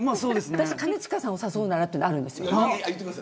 私、兼近さんを誘うならというのがあるんです。